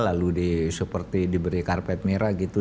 lalu seperti diberi karpet merah gitu